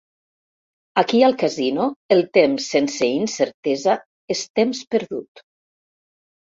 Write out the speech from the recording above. Aquí al casino el temps sense incertesa és temps perdut.